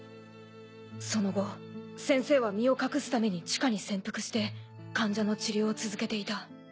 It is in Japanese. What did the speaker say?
その後先生は身を隠すために地下に潜伏して患者の治療を続けていた。